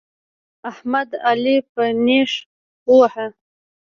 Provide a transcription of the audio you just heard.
احمد؛ علي په نېښ وواهه.